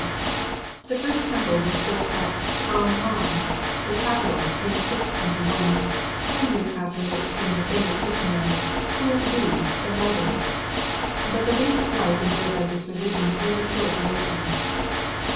d. The first temple was built at Ch'ang an, the capital, in 621, ten years after which came the famous missionary. Ho Lu the Magus. But the lease of life enjoyed by this religion was of short dura tion.